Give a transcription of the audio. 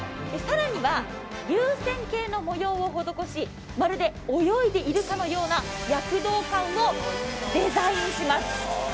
更には流線型の模様を施し、まるで泳いでいるかのような躍動感をデザインします。